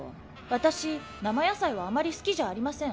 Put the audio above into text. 私生野菜はあまり好きじゃありません。